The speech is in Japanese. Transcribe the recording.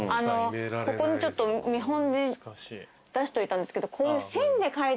ここにちょっと見本で出しといたんですけど。